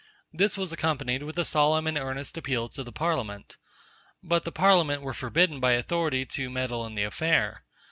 This was accompanied with a solemn and earnest appeal to the parliament. But the parliament were forbidden by authority to meddle in the affair.